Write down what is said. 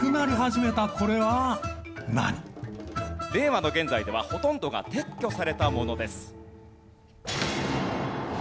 令和の現在ではほとんどが撤去されたものです。